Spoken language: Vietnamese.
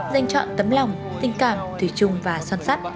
danh chọn tấm lòng tình cảm thủy chung và son sắc